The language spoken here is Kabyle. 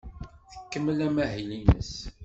Tkemmel amahil-nnes.